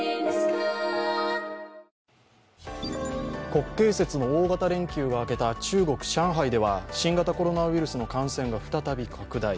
国慶節の大型連休が明けた中国・上海では新型コロナウイルスの感染が再び拡大。